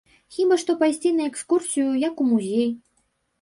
Хіба што пайсці на экскурсію, як у музей.